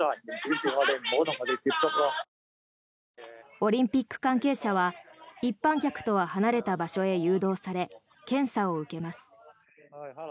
オリンピック関係者は一般客とは離れた場所に誘導され検査を受けます。